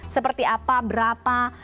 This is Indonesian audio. seperti apa berapa